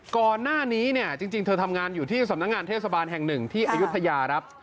ก่อนหน้านี้เนี่ยจริงเธอทำงานอยู่ที่สำนักงานเทศบาลแห่งหนึ่งที่อายุทยาครับ